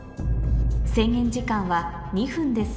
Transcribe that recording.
制限時間は２分です